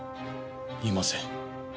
いません。